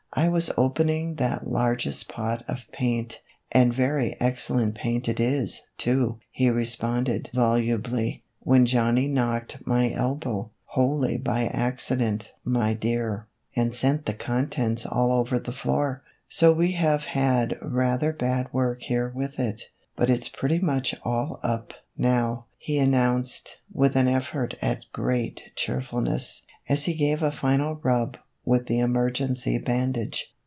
" I was opening that largest pot of paint, and very excellent paint it is, too," he responded volu bly, " when Johnny knocked my elbow, wholly by accident, my dear, and sent the contents all over the floor; so we have had rather bad work here with it, but it's pretty much all up, now," he an nounced, with an effort at great cheerfulness, as he gave a final rub with the emergency bandage.